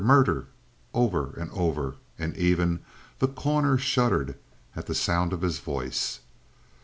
Murder!" over and over, and even The Corner shuddered at the sound of his voice.